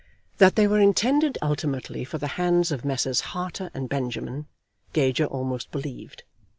That they were intended ultimately for the hands of Messrs. Harter and Benjamin, Gager almost believed.